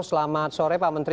selamat sore pak menteri